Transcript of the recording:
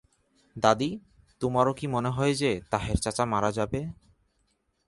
দাদী, তোমারও কি মনে হয় যে তাহের চাচা মারা যাবে?